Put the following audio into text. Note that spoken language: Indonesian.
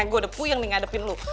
gue udah puyung nih ngadepin lu